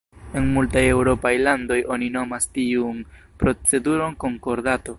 En multaj eŭropaj landoj oni nomas tiun proceduron konkordato.